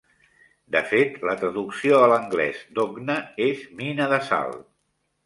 De fet, la traducció a l'anglès d'Ocna és "mina de sal".